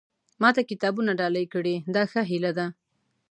ما ته کتابونه ډالۍ کړي دا ښه هیله ده.